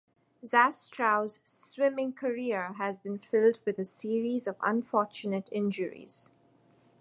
Zastrow's swimming career has been filled with a series of unfortunate injuries.